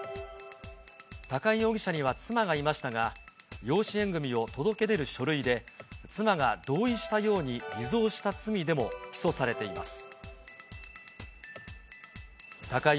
高井容疑者には妻がいましたが、養子縁組みを届け出る書類で、妻が同意したように偽造した罪でも起訴されています。